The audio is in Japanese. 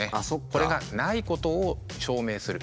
これがないことを証明する。